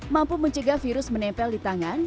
mampu mencegah virus menempel di tangan